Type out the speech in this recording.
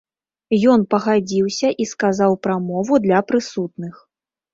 Ён пагадзіўся і сказаў прамову для прысутных.